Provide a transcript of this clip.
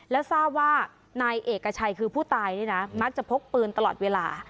และทราบว่านายเอกชัยคือผู้ตายนี่นะมักจะพกปืนตลอดเวลา